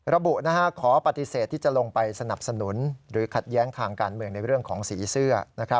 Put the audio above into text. ระบุขอปฏิเสธที่จะลงไปสนับสนุนหรือขัดแย้งทางการเมืองในเรื่องของสีเสื้อ